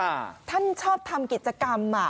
อ่าอ่าท่านชอบทำกิจกรรมอะ